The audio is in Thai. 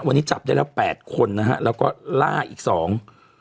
วันนี้จับได้แล้วแปดคนนะฮะแล้วก็ล่าอีกสอง